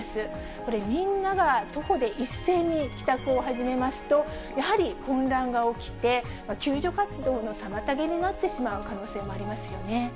これ、みんなが徒歩で一斉に帰宅を始めますと、やはり混乱が起きて、救助活動の妨げになってしまう可能性もありますよね。